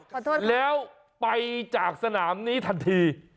ขอโทษแล้วไปจากสนามนี้ทันที